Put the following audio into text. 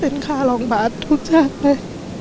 เป็นค่ารองบาททุกชาติเลย